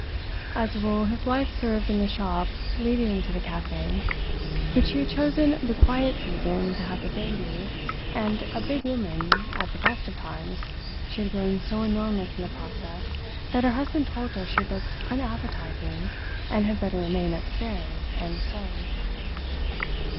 As a rule his wife served in the shop leading into the café, but she had chosen the quiet season to have a baby, and, a big woman at the best of times, she had grown so enormous in the process that her husband told her she looked unappetising, and had better remain upstairs and sew.